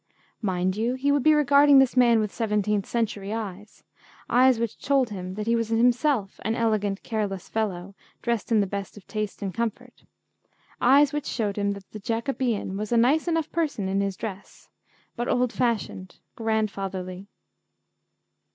Mind you, he would be regarding this man with seventeenth century eyes eyes which told him that he was himself an elegant, careless fellow, dressed in the best of taste and comfort eyes which showed him that the Jacobean was a nice enough person in his dress, but old fashioned, grandfatherly.